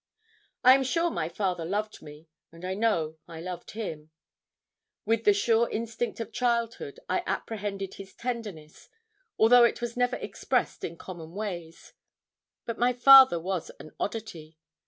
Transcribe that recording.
I am sure my father loved me, and I know I loved him. With the sure instinct of childhood I apprehended his tenderness, although it was never expressed in common ways. But my father was an oddity.